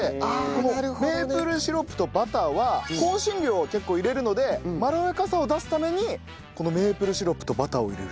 このメープルシロップとバターは香辛料を結構入れるのでまろやかさを出すためにこのメープルシロップとバターを入れるそうです。